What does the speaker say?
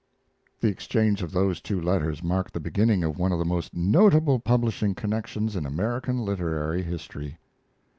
The exchange of those two letters marked the beginning of one of the most notable publishing connections in American literary history.